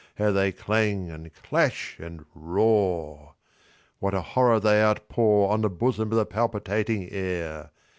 How they clang, and clash, and roar! What a horror they outpour On the bosom of the palpitating air!